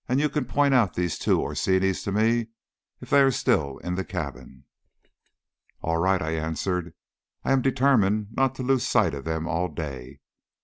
You can point out these two Orsinis to me if they are still in the cabin." "All right," I answered; "I am determined not to lose sight of them all day.